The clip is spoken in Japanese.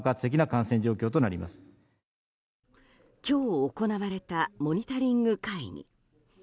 今日行われたモニタリング会議。